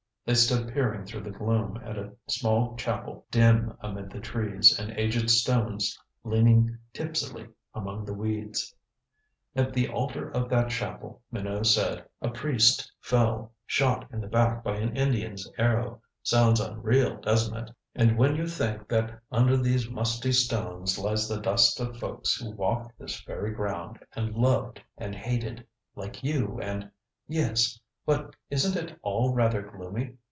They stood peering through the gloom at a small chapel dim amid the trees, and aged stones leaning tipsily among the weeds. "At the altar of that chapel," Minot said, "a priest fell shot in the back by an Indian's arrow. Sounds unreal, doesn't it? And when you think that under these musty stones lies the dust of folks who walked this very ground, and loved, and hated, like you and " "Yes but isn't it all rather gloomy?"